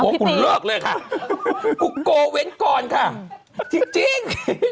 โอ้คุณเลิกเลยค่ะกูโกเว้นก่อนค่ะจริงจริง